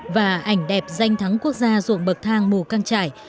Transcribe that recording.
và ảnh đẹp danh thắng quốc gia ruộng bậc thang mù căng trải